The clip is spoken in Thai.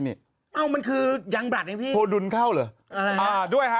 นี่อ้อมันคือยังบรัดนี้ทดลเข้าหรืออ่าด้วยฮะ